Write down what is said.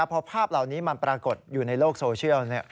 พอภาพเหล่านี้มันปรากฏอยู่ในโลกโซเชียล